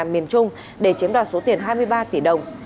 miền trung để chiếm đoạt số tiền hai mươi ba tỷ đồng